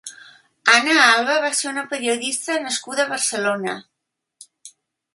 Ana Alba va ser una periodista nascuda a Barcelona.